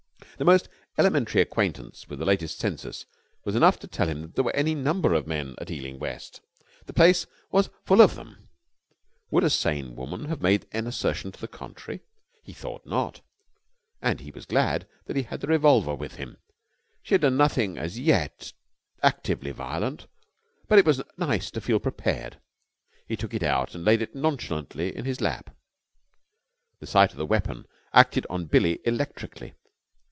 The most elementary acquaintance with the latest census was enough to tell him that there were any number of men at Ealing West. The place was full of them. Would a sane woman have made an assertion to the contrary? He thought not, and he was glad that he had the revolver with him. She had done nothing as yet actively violent, but it was nice to feel prepared. He took it out and laid it nonchalantly in his lap. The sight of the weapon acted on Billie electrically.